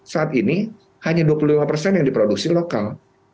saat ini hanya dua puluh lima persen yang diproduksi lokal